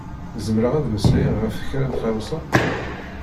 Zemreɣ ad d-meslayeɣ ɣef kra n tɣawsa?